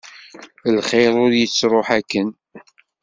Lxir ur yettruḥ akken.